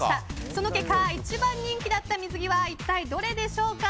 その結果、一番人気だった水着は一体どれでしょうか。